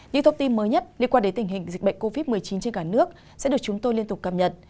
những thông tin mới nhất liên quan đến tình hình dịch bệnh covid một mươi chín trên cả nước sẽ được chúng tôi liên tục cập nhật